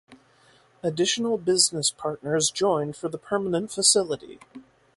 Additional business partners joined for the permanent facility.